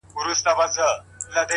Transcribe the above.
د زړه قوت تر بدن لوی وي,